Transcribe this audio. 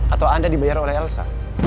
atau anda dibayar oleh elsa